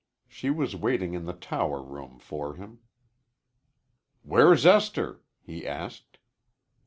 She was waiting in the tower room for him. "Where's Esther?" he asked.